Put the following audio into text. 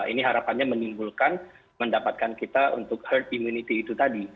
ini harapannya menimbulkan mendapatkan kita untuk herd immunity itu tadi